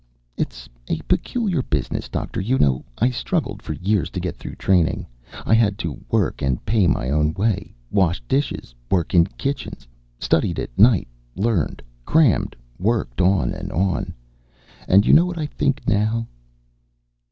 It's a peculiar business, Doctor. You know, I struggled for years to get through Training. I had to work and pay my own way. Washed dishes, worked in kitchens. Studied at night, learned, crammed, worked on and on. And you know what I think, now?"